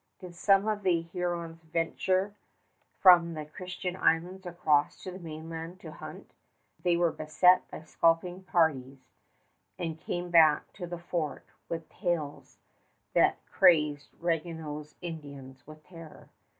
Did some of the Hurons venture from the Christian Islands across to the mainland to hunt, they were beset by scalping parties and came back to the fort with tales that crazed Ragueneau's Indians with terror.